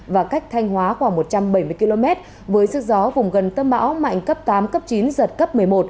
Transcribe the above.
và cách thanh hóa khoảng một trăm bảy mươi km với sức gió vùng gần tâm bão mạnh cấp tám cấp chín giật cấp một mươi một